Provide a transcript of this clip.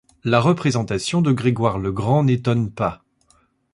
La représentation de Grégoire le Grand n'étonne pas.